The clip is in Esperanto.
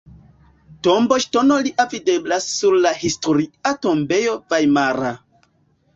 Tomboŝtono lia videblas sur la Historia tombejo vajmara.